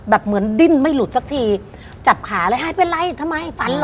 เหมือนดิ้นไม่หลุดสักทีจับขาเลยหายเป็นไรทำไมฝันเหรอ